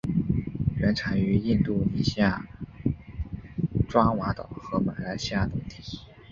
原产于印度尼西亚爪哇岛和马来西亚等地。